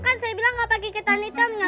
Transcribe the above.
kan saya bilang gak pake ketan hitamnya